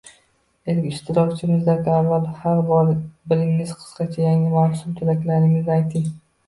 Ilk ishtirokchimizdan avval har biringiz qisqacha yangi mavsum tilaklaringizni ayting.